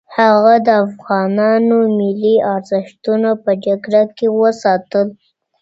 هغه د افغانانو ملي ارزښتونه په جګړه کې وساتل.